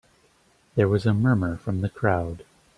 There was a murmur from the crowd.